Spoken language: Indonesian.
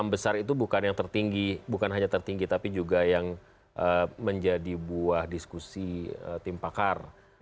enam besar itu bukan yang tertinggi bukan hanya tertinggi tapi juga yang menjadi buah diskusi tim pakar